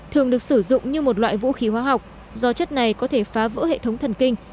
thường được sử dụng như một loại vũ khí hóa học do chất này có thể phá vỡ hệ thống thần kinh